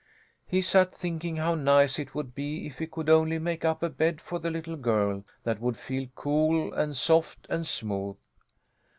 He sat thinking how nice it would be if he could only make up a bed for the little girl that would feel cool and soft and smooth.